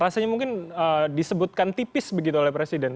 rasanya mungkin disebutkan tipis begitu oleh presiden